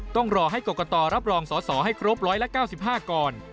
ต้องรอให้กรกตรับรองสอสอให้ครบ๑๙๕ก่อน